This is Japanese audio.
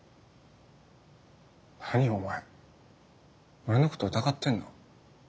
何お前俺のこと疑ってんの？